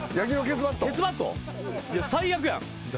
最悪やん。